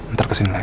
ntar kesini lagi